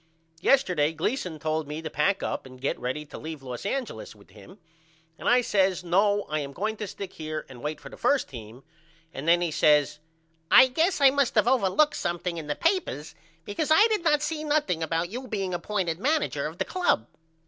Yesterday Gleason told me to pack up and get ready to leave Los Angeles with him and I says No I am going to stick here and wait for the 1st team and then he says I guess I must of overlooked something in the papers because I did not see nothing about you being appointed manager of the club.